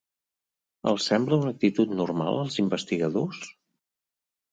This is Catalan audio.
Els sembla una actitud normal als investigadors?